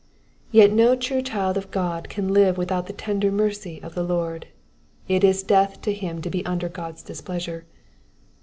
Yet no true child of God can live without the tender mercy of the Lord ; it is death to him to be under God's displeasure.